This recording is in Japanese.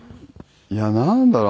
いやなんだろう？